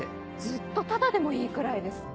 ずっとタダでもいいくらいです。